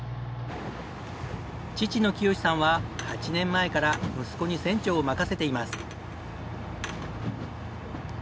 父の清志さんは８年前から息子に船長を任せています。